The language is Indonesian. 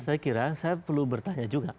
saya kira saya perlu bertanya juga